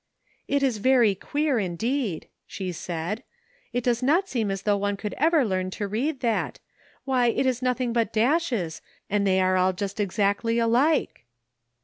*' It is very queer indeed," she said ; "it does not seem as though one could ever learn to read tliat. Why, it is nothing but dashes, and they are just exactly alike."